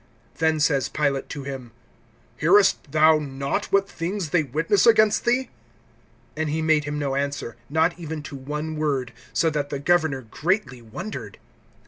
(13)Then says Pilate to him: Hearest thou not what things they witness against thee? (14)And he made him no answer, not even to one word; so that the governor greatly wondered.